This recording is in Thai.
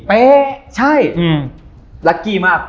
เลสชี่มาก